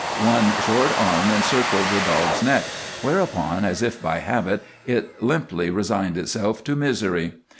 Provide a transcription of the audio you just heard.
One short arm encircled the dog's neck, whereupon, as if by habit, it limply resigned itself to misery.